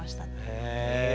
へえ。